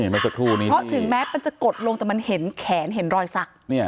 เพราะถึงแม้มันจะกดลงแต่มันเห็นแขนเห็นรอยสัก